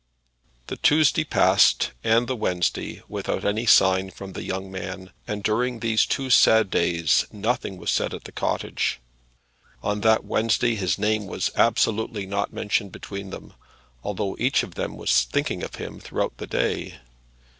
The Tuesday passed and the Wednesday, without any sign from the young man; and during these two sad days nothing was said at the cottage. On that Wednesday his name was absolutely not mentioned between them, although each of them was thinking of him throughout the day.